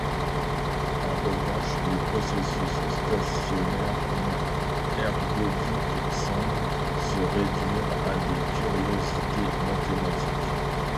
En revanche, les processus stationnaires non ergodiques semblent se réduire à des curiosités mathématiques.